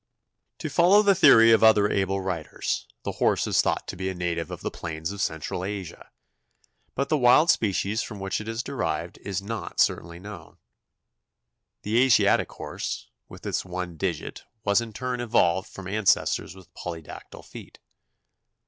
To follow the theory of other able writers, the horse is thought to be a native of the plains of Central Asia, but the wild species from which it is derived is not certainly known. The Asiatic horse with its one digit was in turn evolved from ancestors with polydactyl feet.